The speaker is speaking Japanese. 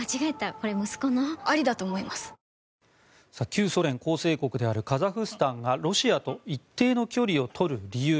旧ソ連構成国であるカザフスタンがロシアと一定の距離を取る理由。